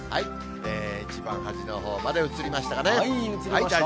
一番端のほうまで映りましたかね。